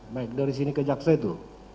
baik dari sini ke jaksa itu